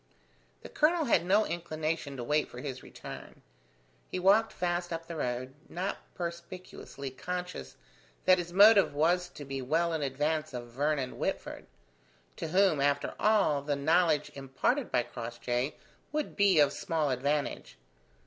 The colonel had no inclination to wait for his return. He walked fast up the road, not perspicuously conscious that his motive was to be well in advance of Vernon Whitford: to whom, after all, the knowledge imparted by Crossjay would be of small advantage.